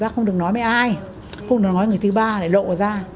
không được nói với người thứ ba để lộ ra